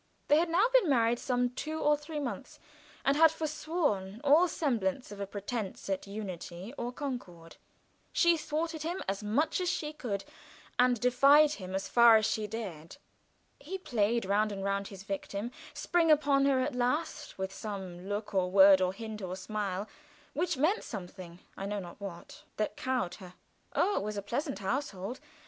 They had now been married some two or three months, and had forsworn all semblance of a pretense at unity or concord. She thwarted him as much as she could, and defied him as far as she dared. He played round and round his victim, springing upon her at last, with some look, or word, or hint, or smile, which meant something I know not what that cowed her. Oh, it was a pleasant household!